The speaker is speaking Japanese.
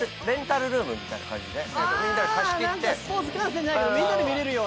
ああスポーツ観戦じゃないけどみんなで見れるような。